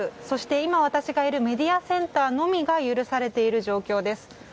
そして今、私がいるメディアセンターのみが許されている状況です。